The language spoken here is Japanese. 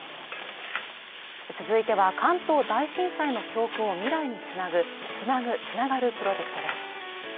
続いては、関東大震災の教訓を未来につなぐ「つなぐ、つながるプロジェクト」です。